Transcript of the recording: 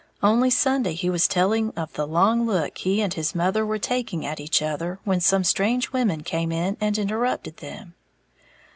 Only Sunday he was telling of the long look he and his mother were taking at each other when some strange women came in and interrupted them."